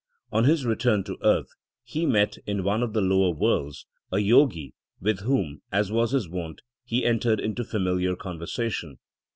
On his return to earth he met in one of the lower worlds a Jogi with whom, as was his wont, he entered into familiar conversation.